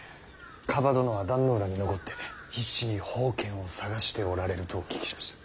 蒲殿は壇ノ浦に残って必死に宝剣を捜しておられるとお聞きしました。